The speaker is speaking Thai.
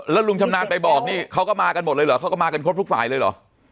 แล้วลุงชำนาญไปบอกนี่เขาก็มากันหมดเลยเหรอเขาก็มากันครบทุกฝ่ายเลยเหรอ